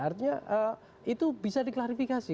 artinya itu bisa diklarifikasi